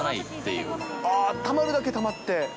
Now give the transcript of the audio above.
たまるだけたまって？